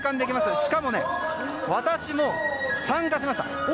しかも、私も参加しました。